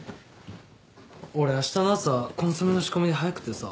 俺明日の朝コンソメの仕込みで早くてさ。